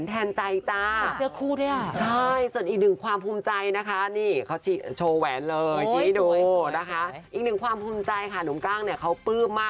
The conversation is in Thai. เป็นแวนแทนใจจ้า